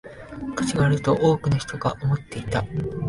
価値があると多くの人が思っていた